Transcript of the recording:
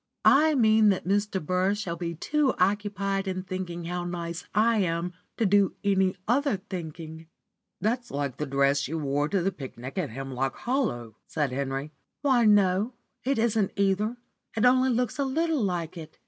"I mean that Mr. Burr shall be too much occupied in thinking how nice I am to do any other thinking," said Madeline. "That's like the dress you wore to the picnic at Hemlock Hollow," said Henry. "Why, no, it isn't either. It only looks a little like it.